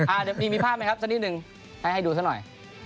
เดี๋ยวมีภาพไหมครับสักนิดนึงให้ดูซะหน่อย